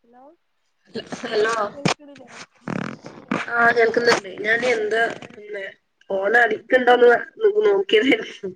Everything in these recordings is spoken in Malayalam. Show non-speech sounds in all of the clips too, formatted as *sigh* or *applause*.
ഹലോ ഹലോ കേൾക്ക്ണില്ലേ? ആഹ് കേൾക്കുന്ന്ണ്ട്. ഞാൻ എന്താ പിന്നെ ഫോണ് അടിക്ക്ണ്ടോന്ന് ന് നോക്കിയതേര്ന്നു.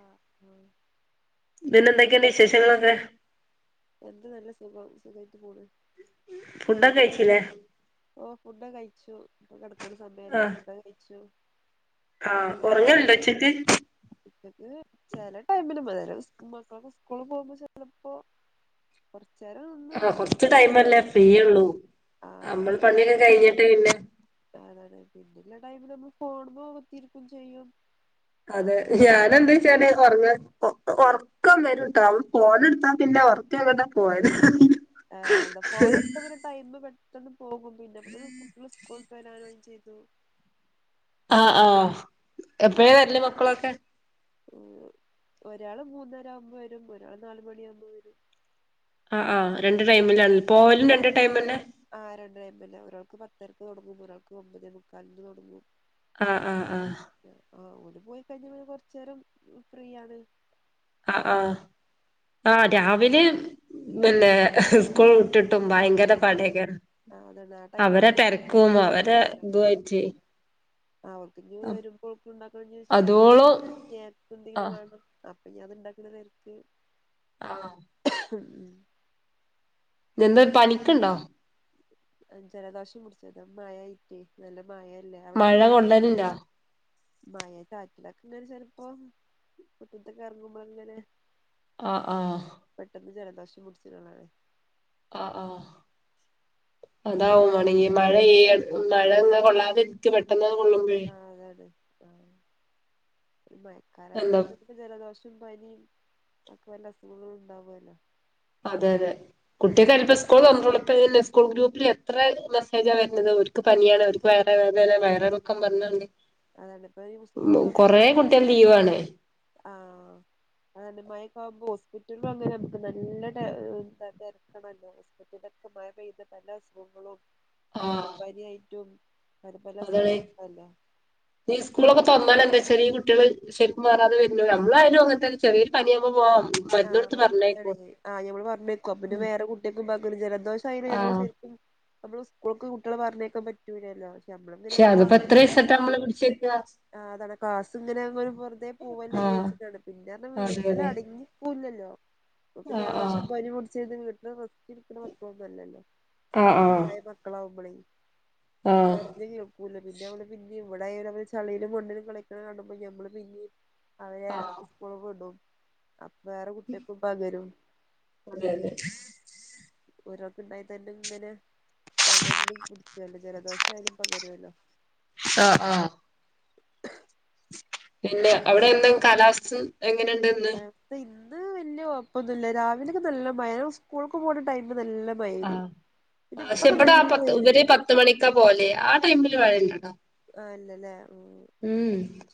ആഹ് ആഹ്. പിന്നെ എന്തൊക്കെണ്ട് വിശേഷങ്ങളൊക്കെ? എന്ത് നല്ല സുഖം സുഖായിറ്റ് പോണ്. ഫുഡൊക്കെ കഴിച്ചീലേ? ഓഹ് ഫുടൊക്കഴിച്ചു ഇപ്പ കെട്ക്ക്ണെ സമയല്ലേ ആഹ് ഫു‌ഡോക്കഴിച്ചു. ആഹ് ഒറങ്ങൽണ്ടോ ഉച്ചക്ക്? ഉച്ചക്ക് ചെല ടൈമില്. *unintelligible* മക്കളൊക്കെ സ്കൂള് പോകുമ്പോ ചെലപ്പോ. കൊർച്ചേരം ആഹ് കൊർച്ച് ടൈമല്ലേ ഫ്രീയൊള്ളൂ. ആഹ് കൊറ അമ്മള് പണിയൊക്കെ കഴിഞ്ഞിട്ട് പിന്നെ അതാണ് പിന്നെല്ല ടൈമിൽ നമ്മൾ ഫോണ് മെ കുത്തി ഇരിക്കും ചെയ്യും. അതെ അപ്പൊ ഞാൻ എന്തെയ്ച്ചാല് ഒർങ്ങാ ഒ ഒർക്കം വരുംട്ടോ ഫോണ് ഇട്ത്താ പിന്നെ ഒർക്ക് എങ്ങട്ടാ പോയത് അറീല. ഏഹ് എന്താ ഫോണ് ഇട്ത്താ പിന്നെ ടൈമ് പെട്ടെന്ന് പോകും പിന്നെ അപ്പോത്തിനും കുട്ട്യെള് സ്‌ക് കൂൾ വിട്ട് വരാനായിം ചെയ്തു. ആഹ് ആഹ് എപ്പഴാ വര്ല് മക്കളൊക്കെ? ഒരാള് മൂന്നരാവുമ്പോ വരും ഒരാള് നാല് മണിയാവുമ്പോ വരും. ആഹ് ആഹ്. രണ്ട് ടൈമിലാണ്. പോവലും രണ്ട് ടൈമെന്നെ? ആഹ് രണ്ട് ടൈമെന്നെ ഒരാൾക്ക് പത്തരക്ക് തൊടങ്ങും ഒരാൾക്ക് ഒമ്പതെ മുക്കാല്ന് തൊടങ്ങും. ആഹ് ആഹ് ആഹ്. ആഹ് ഓല് പോയി കഴിഞ്ഞാ പിന്നെ കൊറച്ചേരം ഫ്രീ ആണ്. ആഹ് ആഹ്. ആഹ് രാവില് പിന്നെ ആ സ്കൂൾ വിട്ട്ട്ടും ഭയങ്കര പടേകാരം. ആഹ് അതണാ അവരെ തെര്ക്കും അവരെ ഇതുവായിറ്റ്. അവർക്ക് ഇഞ് വരുമ്പോൾക്ക് ഇണ്ടാക്കണം ചായക്ക് അതോളം സ്നാക് എന്തെങ്കിലും ആഹ് വേണം. അപ്പൊ ഇഞ് അത് ഇണ്ടാക്ക്ണ തെര്ക്ക്. ആഹ്. ഉം നെന്തേ പനിക്ക്ണ്ടോ? അത് ജലദോഷം പിട്ച്ചതാ മഴായി റ്റെ നല്ല മഴല്ലേ. അവിടക്കെ മഴ മഴല്ലേ? കൊള്ളല്ണ്ടോ മഴ ചാറ്റലൊക്കെ ഇങ്ങനെ ചെൽപ്പോ മിറ്റത്ത്ക്ക് എറങ്ങുമ്പോ ഇങ്ങനെ ആഹ് ആഹ് പെട്ടെന്ന് ജലദോഷം പുടിച്ചണ് ആഹ് ആ അതാവും വാണങ്കി മഴെയ്യ മഴ ഇങ്ങ കൊള്ളാതെ ക്ക് പെട്ടെന്നണ് കൊള്ളുമ്പഴെ അതതെ ആഹ് മയക്കാലായ എന്താ തന്നെ ജലദോഷം പനിയും ഒക്കെ വല്ല അസുഖങ്ങള ഉണ്ടാവല്ലോ അതെ അതെ കുട്ടികക്കരിപ്പ സ്കൂൾ തുറന്നുട്ടുള്ളു പ്പെന്നെ സ്കൂൾ ഗ്രൂപ്പിൽ എത്ര മെസ്സേജാ വരുന്നത് ക്ക്‌ പനിയാണ് അവർക്ക് വയറ് വേദനാണ് വയറളക്കം പറഞ്ഞാണ്ട് അതാണ് ഇപ്പൊ ഈ സ്കൂൾ തന്നതോട കൊറേ കൂടി കുട്ടികൾ *unintelligible* ലീവാണ് ആ ആന്നെ മഴക്കാവുമ്പോ ഹോസ്പിറ്റലും അങ്ങനെ നമുക്ക് നല്ല തിരക്കാ ണല്ലോ *unintelligible* മഴ പെയ്ത പല അസുഖങ്ങളും ആഹ് വയറൽ പനി യായിട്ടും പല പല അതാണ് അസുഖങ്ങളുണ്ടല്ലോ ഈ സ്കൂളൊക്കെ തൊർന്നാലന്താച്ചാൽ ഈ കുട്ടികള് ശരിക്കും മാറാത വര്നോലും നമ്മളായാലും അങ്ങനത്തെന്നെ ചെറിയരു പനിയാക്മ്പോ പോവാം മരുന്ന് കൊടുത്ത് ആഹ പറഞ്ഞയക്കും അതാണേ ആ ഞമ്മൾ പറഞ്ഞേക്കും പിന്നെ വേറെ കുട്ടികൾക്കും പകരും ജലദോഷ *unintelligible* ആഹ് ശരിക്കും നമ്മള് സ്കൂൾക്ക് കുട്ടികള് പറഞ്ഞേക്കാൻ പറ്റൂല്ലല്ലോ പക്ഷെ അതിപ്പോ എത്ര ദിവസായിട്ടാ *unintelligible* നമ്മള് പിടിച്ചേക്കുക ആ അതാണ് ക്‌ളാസ് ഇങ്ങനെ ങ്ങ വെറുതെ ആഹ് പോവല്ലോജാരിച്ചിട്ടാണ് പിന്നെറഞ്ഞാ അതെ വീട്ടിൽ അതെ അടങ്ങി ല്ലല്ലോ ആഹ് ആഹ് അപ്പലേശ്യം പനിപിടിച് യ്ത് വീട്ടിൽ റെസ്റ്റ് ഇട്ക്ക്‌ണ മക്കളൊന്നല്ലല്ലോ ആഹ് അ ആഹ് പ്രായം മക്കളാകുമ്പളെ ുംക്കൂില്ല പിന്നെ അവള് പിന്നെ ഇവിടെയാല അവര് ചളിയിലും മണ്ണിലും കളിക്ക കാണുമ്പോൾ ഞമ്മള് പിന്നെ അവരെ ആഹ് ആഹ് സ്കൂൾക് വിടും അപ്പൊ വേറെ കുട്ടികക്കും പകരും അതെ അതെ ഒരാൾക്ണ്ടായി തന്നെ ഇങ്ങനെ പകർന്ന്പിടിച്ചുല്ലോ ജലദോഷ ആയാലും പകരുല്ലോ ആ ആ പിന്നെ അവിടെ എന്നും കാലാവസ്ഥ എങ്ങനെണ്ട് പ ഇന്ന് വലിയകൊഴപ്പൊന്നുല്ല രാവിലൊക്കെ നല്ല മഴ സ്കൂൾക്കെ പോണ ടൈമ് നല്ല *unintelligible* ആഹ് ന്റെ ഇപ്പക്കെ നല്ല വേവ് പത്ത മണിക്കാ പോലെ ആ ടൈമില് മ ഴണ്ടാവോ ആഹല്ലല്ലേ ഉം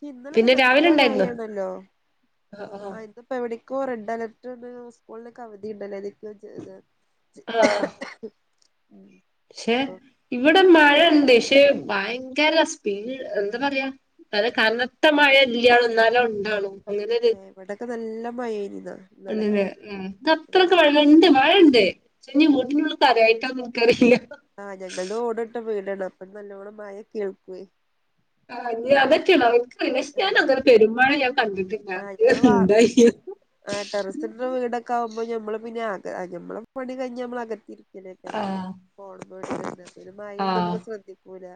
ഇന്നലൊക്കെ പിന്നെ നല്ല രാവിലെ ഉണ്ടായിരുന്നോ മഴയാണല്ലോ ആ ഇന്ന് ഇപ്പ എവിടക്കൊ റെഡ്ലർട്ട്ണ്ട് സ്കൂളിനൊകെ അവധി ഉണ്ടല്ലൊലേ *unintelligible* ഉം ക്ഷെ അപ്പൊ ഇവിടെ മഴണ്ട് ക്ഷെ ഭയങ്കര സ്പീഡ് എന്താ പറയാ അത് കനത്ത മഴ ഇല്ലാണും എന്നാലോ ഉണ്ടാണും അങ്ങനൊരു വടൊക്കെ നല്ല മഴയ്നിന്നാ ണ്ട്‌ലേ ഉം ഇത് അത്രക്ക് വ ണ്ട് മഴണ്ട് ചെ ഞ് വീട്ന്റുള്ള്ക്ക്അറിയാഞ്ഞിട്ടാണോ ൻക് അറിയില്ല ആഹ് ഞങ്ങള്ത് ഓട് ട്ടവീടാണ് അപ്പം നല്ലോണം മയ കേൾക്കേ ആ ഞ് അതറ്റെയാണോ ൻക്ക് അറീല ഷ് ഞാൻ അങ്ങനെ പെരുമ്മയെ ഞാൻ കണ്ട് ട്ല്ല ആഹ് ഇത് ഞമ്മളേ വാർ ആ ടെറസ് ന്റെ വീടൊക്കെ ആമ്പോ നമ്മള് പിന്നെ ഞമ്മള പണി കഴിഞ്ഞാ ഞമ്മൾ അകത്തിര് ക്കരം ആഹ് ഫോൺമ്മ ഇട്ട ഇരുന്ന പിന്നെ മയന്നും ആഹ് നമ്മൾ ശ്രദ്ധിക്കൂല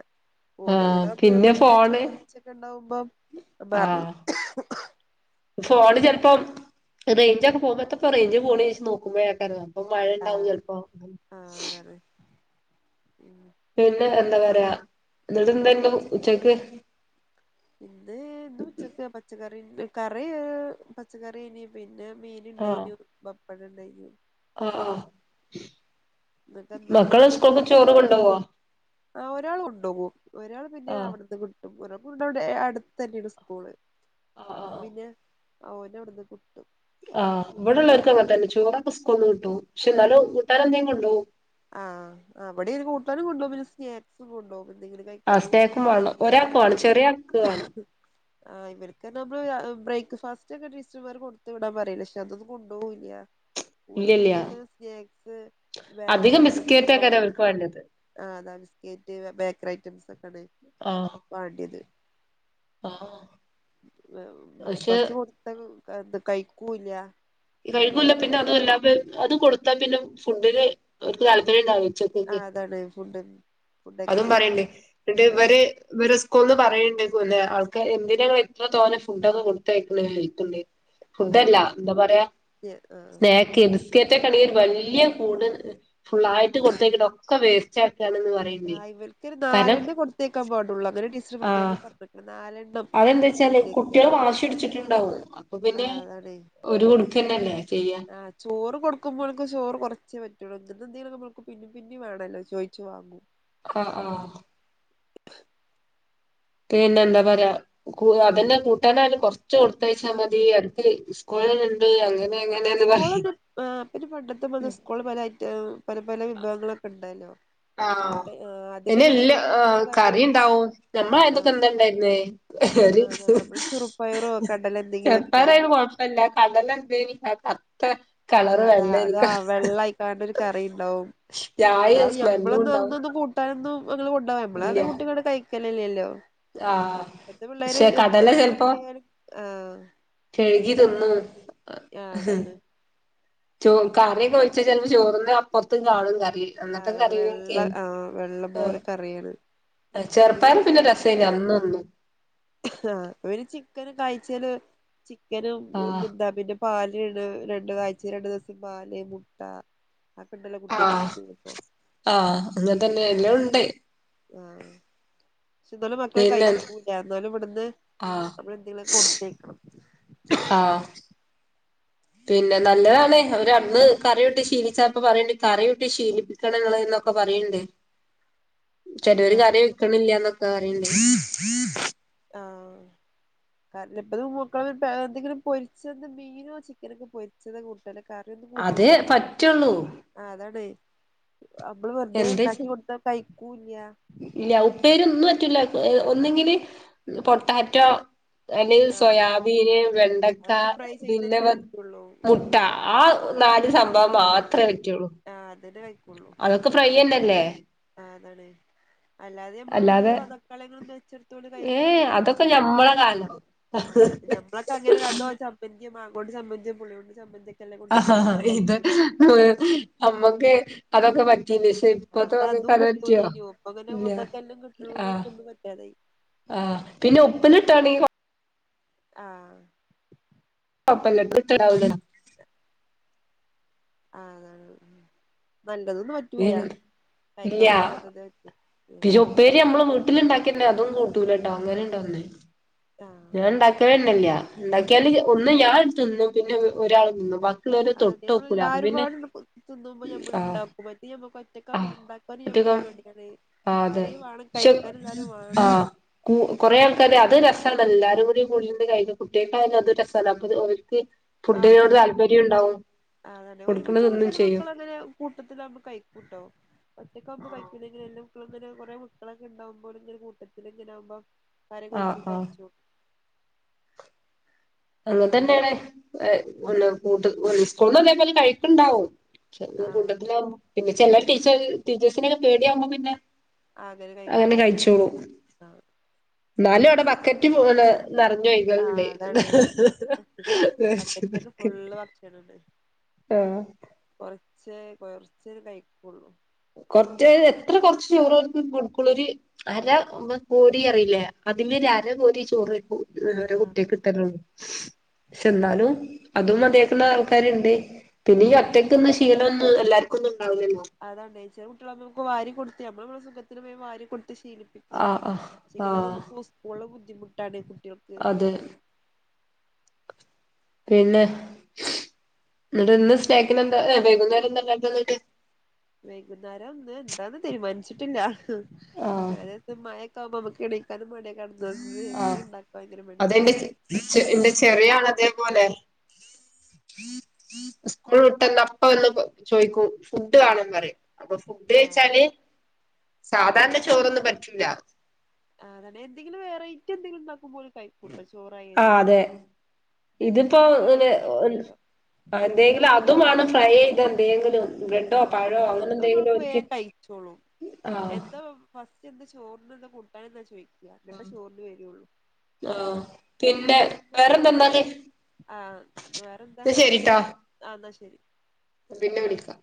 ആഹ് ഓടുവിടാമ്പോ നമ്മക്ക് പിന്നെ ഫോണ് ചോർച്ചൊക്കെ ഉണ്ടാവുമ്പം നമ്മളറിം ആഹ് ഫോണ് ചിലപ്പോ റേഞ്ചൊക്കെ പോക്ണോട്ത്തപ്പോ റേഞ്ച്പോണ്ചാരിച്ച് നോുമ്പോഴേക്കാരം അപ്പൊ മഴണ്ടാവും ചിലപ്പോ അത് പിന്നെ പിന്നെ എന്താ പറയാ എന്നിട്ട് ഇന്നിപ്പോ എന്താണ്ട് കൊറച്ച്ത് ഉച്ചക്ക് ഇന്ന് ഇന്ന് ഉച്ചക്ക് പച്ചക്കറി കറി പച്ചക്കറിയേനി പിന്നെ ആഹ് മീനുണ്ടായിനു പപ്പടം ഉണ്ടായിനു ആഹ് നിങ്ങക്കെന്താ മക്കള് സ്കൂൾക്ക് ചോറ് കൊണ്ടോവോ ആഹ് ഒരാള് കൊണ്ടോവും ഒരാള് പിന്നെ ആഹ് അവിടുന്ന് ഓലെ കൊണ്ടുവിടെ അടുത്ത് തന്നെയാണ് സ്കൂള് ആഹ് ആഹ് അപ്പം ആഹ് പിന്നെ ഓനവടുന്ന് കുട്ടും. ആഹ് ഇവിട്ള്ളവർക്കും അങ്ങനെ തന്നെ ചോറൊക്കെ സ്കൂളുന്ന് കുട്ടും. പക്ഷെന്നാലും കൂട്ടാനെന്തെലും കൊണ്ടോവും ആഹ് അവിടെയൊരു കൂട്ടാനും കൊണ്ടോവും പിന്നെ സ്നാക്സും കൊണ്ടോവും. എന്തെങ്കിലും കഴിക്കാന് ആഹ് പിന്നെ സ്നേക്കും വേണം സ്‌നേക്‌സെന്നെ ഒരാൾക്ക് വേണം ചെറിയ ആൾക്ക് വേണം ആഹ് ഇവർക്ക് നമ്മള് ആഹ് ബ്രേക്ക്ഫാസ്റ്റ് ഒക്കെ ടീച്ചർമാര് കൊടുത്ത് വിടാൻ പറയല് പക്ഷെ അതൊന്നു കൊണ്ടുപോകൂല്ല. ഓൽക്ക് ഇല്ലില്ല എന്തെങ്കിലും സ്നാക്സ് ബേക്കറി അധികം ഐറ്റംസ് ബിസ്ക്കറ്റ് ഒക്കെ ആക്കാരം വേണം. അവർക്ക് വേണ്ടത് ആഹ് അതാ ബിസ്കേറ്റ് ബേക്കറി ഐറ്റംസ് ഒക്കാണ്. ആഹ്. വാണ്ടിത്. ആഹ് ബേ പക്ഷെ ബ്രേക്ക്ഫാസ്റ്റ് കൊട്ത് ത്ത കഴിക്കൂല്ല. പിന്നെ കഴിക്കൂല്ല വെറുതെ പിന്നെ അതുവല്ലാ അത് അത് കൊടുത്താ പിന്നെ ഫുഡിന് അവർക്ക് താല്പര്യം ആ ഉണ്ടാവും അതാണ് ഫുഡ് ഫുഡൊക്കെ അതും പിന്നെ പറയിണ്ട് ന്നട്ട് ആ ഇവര് ഇവരുസ്‌കൂളിന്ന് പറയിണ്ട് ആൾക്ക് എന്തിനാ ങ്ങള് ഇത്ര തോന്നെ ഫുഡ് ഒക്കെ കൊടുത്തയക്കണ് വൈറ്റെല്ലേ ആ ഫുഡല്ല എന്താ പറയാ ആ സ്നാക്ക് ബിസ്‌ ക്കേറ്റൊക്കാണങ്കി വലിയ കൂട് ഫുള്ളായിട്ട് കൊടുത്തേക്കണൊക്കെ വേസ്റ്റ് ആക്കാണന്ന് പറഞ്ഞ ആഹ് ഇവർക്കൊരു നാലെണ്ണം കൊടുത്തേക്കാ പാടുള്ളൂ അവരെ ടീച്ചർ പ്രത്യേകം പറഞ്ഞിക്ന്ന് നാലെണ്ണം. അത് എന്താ വച്ചാല് കൊടുത്തേക്ക കുട്ടികൾ വാശി പിടിച്ചിട്ടുണ്ടാവും അപ്പൊ ആ പിന്നെ ഒരുടു ക്കെന്നെല്ലേ ചെയ്യാ. ആഹ് ചോറ് കൊടുക്കുമ്പോൽക്ക് ചോറ് കുറച്ചെ പറ്റുള്ളൂ ഇന്നിന്തങ്കിലും മ്മള്ക്ക് പിന്നിം പിന്നിം വേണല്ലോ ചോയിച് വാങ്ങും. ആഹ് ആഹ്. പിന്നെ എന്താ പറയാ ക്കൂല്ല. അതന്നെ കൂട്ടാനായല് കൊറച്ച് കൊടുത്തയച്ചാ മതി അവർക്ക് സ്കൂളിലിന്നെണ്ട് അങ്ങനെ ആഹ് തെങ്ങനാലും സ്കൂള് പറയും ആഹ് പിന്നെ പണ്ടത്തെ മാതിരി സ്കൂളില് പല ഐറ്റം പല പല വിഭവങ്ങളൊക്കെ ഇണ്ടല്ലോ. ആഹ് എനി എല്ലോ ആ കറി കറിയും ഇണ്ടാവും ഞമ്മളയന്നൊക്കെ ആഹ് എന്താ ഇണ്ടായിരുന്നേ ആഹ് നമ്മള് ചെറുപ്പയറോ *unintelligible* കടല എന്തെങ്കിലുമൊക്കെ ചെറുപ്പയറായാലും കൊഴ പ്പല്ല കടലണ്ടേനി ആ കർത്ത ആഹ് അതാ അതാ വെള്ളായിക്കാണ്ട് ഒരു കറി ഇണ്ടാവും ചായ എന്നാലും ഞ്ഞം സ്മെല്ലും മ്മളൊന്നും ഉണ്ടാവും അന്നൊന്നും കൂട്ടാനൊന്നും കൊണ്ടോവാ ഇല്ല നമ്മളത് കുട്ട്യങ്ങട്ട് കയിക്കലില്ലല്ലോ. ആഹ് ഇപ്പത്തെ പിള്ളേര് പക്ഷെ എൻ കടല എത്രിണ്ടായാലും ആഹ് കഴ്കി തിന്നും ആഹ് അതാണ് ചോ കറിയൊക്കെ ഒഴിച്ചാ ചെലപ്പോ ചോറിന്റ അപ്പൊറത്തും കാണും കറി. ആഹ് അന്നത്തെ അതാണ് വെള്ള കറിയൊക്കെയാണ് ആ വെള്ളം പോലെ കറിയാണ്. ചെറുപ്പായറ് പിന്നെ രസാണ് അന്നും ഇന്നും ആഹ് ഒര് ചിക്കന് ആഴ്ചേല് ചിക്കനും ആഹ് എന്താ പിന്നെ പാല്ണ് രണ്ട് ആഴ്ചല് രണ്ടു ദിവസം പാല് മുട്ട അപ്പണ്ടല്ലോ കുട്ട്യാക്ക് ആഹ് സ്കൂളിപ്പോ ആഹ് അങ്ങനെ തന്നെ *unintelligible* എല്ലാം ഉണ്ട് ആഹ് പക്ഷെ ന്നാലും മക്കള് പിന്നെ കഴിക്കൂല്ല എന്നാലും ഇവിടുന്ന് ആഹ് നമ്മള് എന്തെങ്കിലൊക്കെ കൊടുത്തയക്കണം ആഹ്. പിന്നെ നല്ലതാണ് അവര് അന്ന് കറിയൂട്ടി ശീലിച്ചാ അപ്പ പറയിണ്ട് കറിയൂട്ടി ശീലിപ്പി ക്കണങ്ങള് ന്നൊക്കെ പറയ്ണ്ട് ചെലോര് ആഹ് കറി വെക്കണില്ലാന്നൊക്കെ പറയ്ണ്ട്. ആഹ്. കാരണം ഇപ്പ മക്കള് എന്തെങ്കിലും പൊരിച്ചത് മീനോ ചിക്കനൊക്കെ പൊരിച്ചതെ കൂ ട്ടല് കറിയൊന്നും അതേ കൂട്ടൂലല്ലോ പറ്റുള്ളൂ ആഹ് അതാണെയ് നമ്മള് വെറുതെ എന്താ ചെ ഉണ്ടാക്കി കൊടുത്താ കഴിക്കൂല്ലാ. ഇല്ല ഉപ്പേരി ഒന്നും പറ്റൂല്ല ഒന്നെങ്കില് പൊട്ടാറ്റോ അല്ലെങ്കിൽ ആഹ് സോയാബീന്, വെണ്ടക്ക അതൊക്കെ ഫ്രൈ പിന്നെ ചെയ്തന്നെ വെ പറ്റുള്ളൂ മുട്ട ആഹ് ആ നാല് സംഭവം അതന്നെ മാത്രേ പറ്റൂള്ളൂ. ആഹ് അതന്നെ കഴിക്കൊള്ളൂ. അതൊക്കെ ഫ്രൈ തന്നെല്ലേ. ആഹ് അതാണ്. അല്ലാതെ നമ്മള് അല്ലാതെ ഉള്ളിയോ തക്കളിങ്ങളൊന്നും വെച്ചെടുത്തോണ്ട് ഏ കഴിക്കൂലാ അതൊക്കെ ഞമ്മളെ കാലം ആഹ് ഞമ്മളൊക്കെ അങ്ങനെ അതോ ചമ്മന്തിയോ മാങ്ങോണ്ട് ചമ്മന്തിയോ പുളിയോണ്ട് ചമ്മന്തിയോ ഒക്കെല്ലെ കൊണ്ട് *unintelligible* ഏഹ് നമ്മക്ക് അതൊക്കെ പറ്റീനിം ഇപ്പത്തെ അത് മക്കക്ക് അതും അത്പറ്റോ കിട്ടൂലേനു ഇപ്പൊ അങ്ങനെ ഇല്ല മക്കക്കെല്ലാം കിട്ടണോണ്ട് ആഹ് ഓൽക്കൊന്നും പറ്റാതായി ആഹ് പിന്നെ ഉപ്പിലിട്ടോണിം ആഹ്. *unintelligible* ആഹ് അതാണ് നല്ലതൊന്നും പറ്റൂല കഴിക്കാൻ പറ്റാത്തതെ പറ്റു പക്ഷെ ഉപ്പേരി നമ്മള് വീട്ടിലിണ്ടാക്കിണ്ടെ അതും കൂട്ടൂലട്ടോ അങ്ങനെ ഉണ്ടൊന്ന് ആഹ് ഞാൻ ഉണ്ടാക്കലെന്നല്ല ഉണ്ടാക്കിയാല് ഒന്ന് ഞാൻ തിന്നും പിന്നെ ഒരാൾ തിന്നും ബാ അതൊക്കെ നമ്മള് എല്ലാരും പാടെ അണ് തിന്നുമ്പോ നമ്മള് ആഹ് ഇണ്ടാക്കും മറ്റെ നമ്മക്ക് ഒ ഒറ്റക്കാവുമ്പോ ആഹ് ഇത് ഇണ്ടാക്കാനും നമ്മക്ക് ഒറ്റക്കം മടിയാണ് ആഹ് അതെ ആരേലും വാണം പക്ഷെ കഴിക്കാൻ എല്ലാവരും വേണം. ആഹ് കു കൊറേ ആൾക്കാര് അത് ഒര് രസണ്ടല്ലോ എല്ലാരും കൂടി കൂടിണ്ട് കഴി കുട്ടികൾക്കായാലും അത് ഒര് രസല്ലേ അപ്പത് ഓൽക്ക്. ആ ഫുഡിനോട് ഒരുമിച്ച് താല്പര്യം ഉണ്ടാവും കൊടുക്കണത് തിന്നും ചെയ്യും. കൂട്ടത്തിൽ ആവുമ്പോ കഴിക്കുട്ടോ ഒറ്റക്കാവുമ്പോ കഴിക്കൂല്ലെങ്കിലും എല്ലോം മക്കളിങ്ങനെ കൊറെ മക്കളൊക്കെ ഉണ്ടാവുമ്പോ ഓല് ഇങ്ങനെ കൂട്ടത്തിൽ ഇങ്ങനെ ആവുമ്പോ കറി ഒക്കെ ആഹ് ഒഴിച്ച് ആഹ് കഴിച്ചും അങ്ങനതന്നെയാണ് ഏഹ് പിന്നെ കൂട്ട് സ്കൂൾന്നും അതേപോലെന്നെ കഴിക്ക്‌ണ്ടാവും. ആഹ് കൂട്ടത്തിലാവുമ്പം പിന്നെ ചെല ടീച്ചേ ടീച്ചേഴ്സിനെക്കെ പേടിയാവുമ്പം പിന്നെ. അങ്ങനെ കഴിച്ചോളും ആഹ് എന്നാലും അവിടെ ബക്കറ്റ് *unintelligible* നറഞ്ഞ് ഒഴുകലുണ്ട് ആഹ് അതാണ് ബക്കറ്റിലൊക്കെ ഫുള്ള് ആഹ് കൊറച്ച് കൊറച്ചേ കഴിക്കൊള്ളൂ. കൊറച്ച് എത്ര കൊറച്ച് ചോറെ കൊടുക്കുള്ളൂ ഒര്. അര കോരി അറിയില്ലേ അതിൽമ്മെ ഒരു അര കോരി ചോറ് കു ഓരോ ആഹ് കുട്ട്യാക്ക്. *unintelligible* പക്ഷെ എന്നാലും അതും മതിയാക്കുന്ന ആൾക്കാരുണ്ട്. പിന്നെ ഈ ആഹ് ഒറ്റയ്ക്കന്ന് ശീലംന്നും എല്ലാർക്കും ഒന്നും ഉണ്ടാവില്ലല്ലോ. *unintelligible* നമ്മൾ സുഖത്തിന് പോ വാരി കൊടുത്ത് ശീലിക്കും. ആഹ് ആഹ് ആഹ് നമുക്ക് സ്കൂളിൽ ബുദ്ധിമുട്ടാണ് കുട്ടികൾ. അതെ പിന്നെ എന്നിട്ട് ഇന്ന് സ്നാക്കിന എന്താ വൈകുന്നേരം എന്തണ്ടാക്കിണ ന്നിട്ട് വൈകുന്നേരം ന്ന് എന്താന്ന് തീരുമാനിച്ചിട്ടില്ല. ആഹ് ഇ മഴക്കൊവുമ്പോ നമുക്ക്ണിക്കക്കും മയെ കിടന്നന്നന്ന് ആഹ് എന്തെലും ഉണ്ടാക്കോ ഭയങ്കര മടിയ അതെന്റെ എന്റെ ചെറിയാൾ അതേപോലെ. സ്കൂൾ വിട്ട്ന്നെ അപ്പ വന്ന് ചോയ്ക്കൂ. ഫുഡ് വാണം പറയും അപ്പൊ ഫുഡ് ആഹ് വെച്ചാല് സാധാരണ ചോറൊന്നും പറ്റില്ല. ആതെ എന്തെങ്കിലും വെറൈറ്റി എന്തെങ്കിലുംണ്ടാക്കുമ്പോ. കൈക്കുട്ട ആഹ് ചോറായാലും അതെ എന്നും നമ്മള് വെറൈറ്റി ഉണ്ടാക്കൂലല്ലോ. ആഹ് എന്തെങ്കിലും അതുമാണ് ഫ്രൈ ചെയ്ത എന്തെങ്കിലും. ബ്രെഡോ ആഹ് അത് പഴോ അങ്ങനെ *unintelligible* എന്തെങ്കിലും ഓര്ക്ക് വേഗം കഴിച്ചോളും ആഹ് എന്താ പെന്താ ചോറിന് എന്താ കൂട്ടാൻ എന്നാ ചോദിക്കുക എന്നട്ട ചോറിന് വരുയുള്ളൂ. ആഹ പിന്നെ വേറെന്തെന്നാല്. ആഹ് വേറെന്താ ആഹ് എന്നാ ശരി. പിന്നെ വിളിക്കാം.